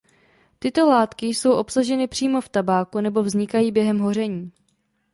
Tyto látky jsou obsaženy přímo v tabáku nebo vznikají během hoření.